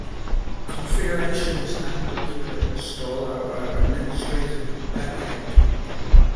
Configuration is handled through the installer or administrative back-end.